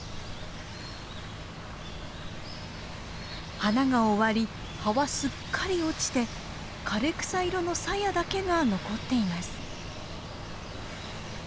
花が終わり葉はすっかり落ちて枯れ草色のさやだけが残っています。